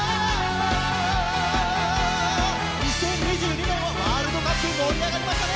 ２０２２年はワールドカップで盛り上がりましたね。